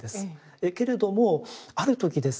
けれどもある時ですね